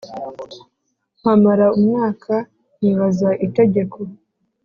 mpamara umwaka nkibaza itegeko